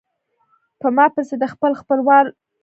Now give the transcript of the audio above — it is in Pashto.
پۀ ما پسې د خپل خپل وال نه غاپي